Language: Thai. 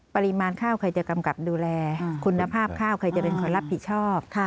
ปริมาณข้าวใครจะกำกับดูแลคุณภาพข้าวใครจะเป็นคนรับผิดชอบ